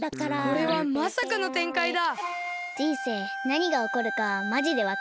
これはまさかのてんかいだ。